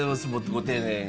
ご丁寧に。